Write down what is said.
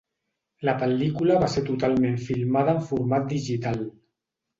La pel·lícula va ser totalment filmada en format digital.